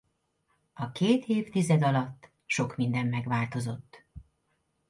A két évtized alatt sok minden megváltozott.